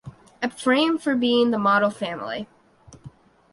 Ephraim for being the model family.